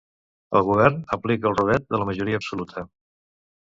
El govern aplica el rodet de la majoria absoluta.